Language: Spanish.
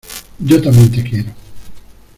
Yo también te quiero.